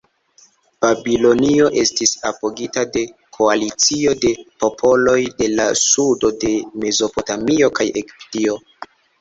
Babilonio estis apogita de koalicio de popoloj de la sudo de Mezopotamio kaj Egipto.